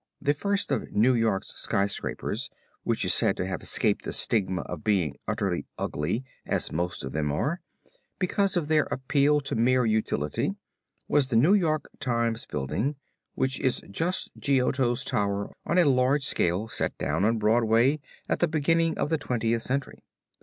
The first of New York's skyscrapers which is said to have escaped the stigma of being utterly ugly, as most of them are, because of their appeal to mere utility, was the New York Times Building which is just Giotto's tower on a large scale set down on Broadway at the beginning of the Twentieth Century.